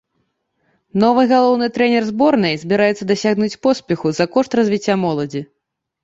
Новы галоўны трэнер зборнай збіраецца дасягнуць поспеху за кошт развіцця моладзі.